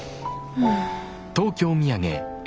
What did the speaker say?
うん。